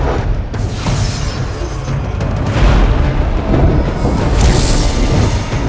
aku tidak terima